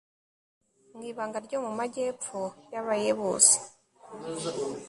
mu ibanga ryo mu majyepfo y'abayebuzi